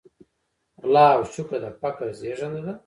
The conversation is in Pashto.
غلا او شوکه د فقر زېږنده ده.